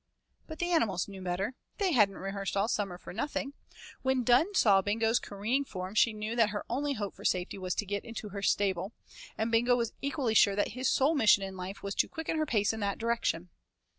But the animals knew better. They hadn't rehearsed all summer for nothing. When Dunne saw Bingo's careering form she knew that her only hope for safety was to get into her stable, and Bingo was equally sure that his sole mission in life was to quicken her pace in that direction.